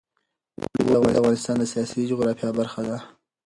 اوړي د افغانستان د سیاسي جغرافیه برخه ده.